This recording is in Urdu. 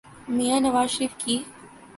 میاں نواز شریف کی۔